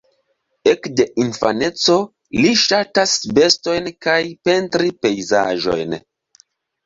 Ekde infaneco li ŝatas bestojn kaj pentri pejzaĝojn.